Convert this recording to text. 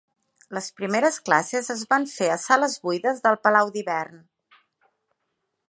Les primeres classes es van fer a sales buides del Palau d'Hivern.